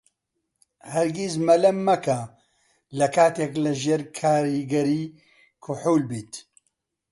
هەرگیز مەلە مەکە لە کاتێک لەژێر کاریگەریی کحوول بیت.